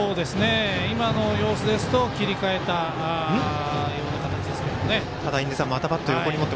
今の様子ですと切り替えた形ですけどね。